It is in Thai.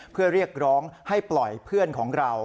เพื่อเรียกร้องให้ปล่อยเพื่อนของเรา